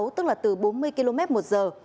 tức là từ bốn mươi km một giờ